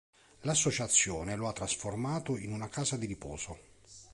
L'associazione lo ha trasformato in una casa di riposo.